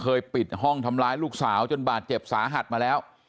ปิดห้องทำร้ายลูกสาวจนบาดเจ็บสาหัสมาแล้ว